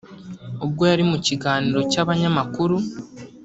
ubwo yari mu kiganiro cy’abanyamakuru